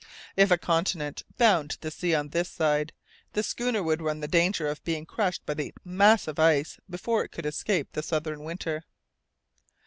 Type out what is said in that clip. If a continent bound the sea on this side, the schooner would run the danger of being crushed by the mass of ice before it could escape the southern winter.